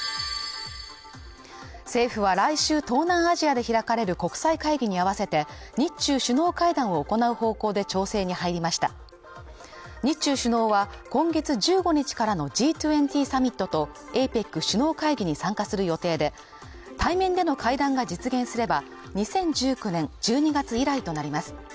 政府は来週、東南アジアで開かれる国際会議に合わせて日中首脳会談を行う方向で調整に入りました日中首脳は今月１５日からのＧ２０サミットとＡＰＥＣ首脳会議に参加する予定で対面での会談が実現すれば２０１９年１２月以来となります